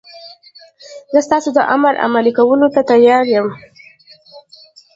زه ستاسو د امر عملي کولو ته تیار یم.